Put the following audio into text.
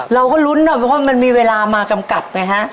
เราก็ลุ้นนะเพราะว่ามันมีเวลามากำกับไงฮะ